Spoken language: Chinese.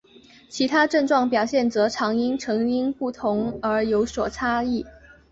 其他症状表现则常因成因不同而有所差异。